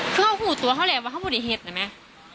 คือเขาฝูตัวเขาแหละว่าเขาบริเหตุนะแม่